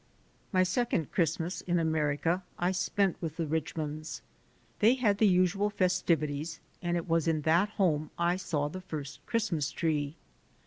My second Christmas in America I spent with the Richmonds. They had the usual festivities and it was in that home I saw the first Christmas tree.